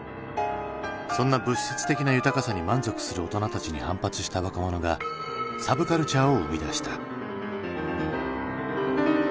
そんな物質的な豊かさに満足する大人たちに反発した若者がサブカルチャーを生み出した。